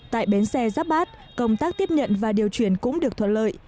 tại bến xe giáp bát công tác tiếp nhận và điều chuyển cũng được thuận lợi